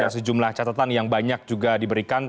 sejumlah catatan yang banyak juga diberikan